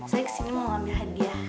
saya kesini mau ambil hadiah